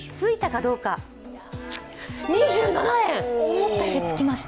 思ったより、つきました。